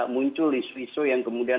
muncul isu isu yang kemudian